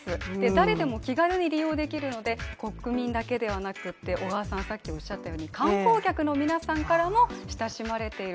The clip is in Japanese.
誰でも気軽に利用できるので国民だけではなくって小川さん、さっきおっしゃったように観光客の皆さんからも親しまれている。